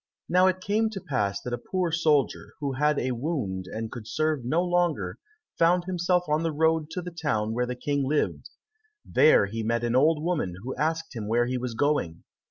Now it came to pass that a poor soldier, who had a wound, and could serve no longer, found himself on the road to the town where the King lived. There he met an old woman, who asked him where he was going.